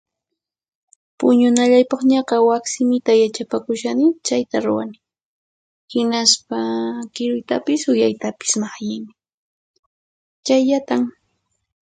Puñunallaypaqñaqa waq simita yachapakushani chayta ruwani, hinaspa kiruytapis uyaytapis maqllini. Chayllatan.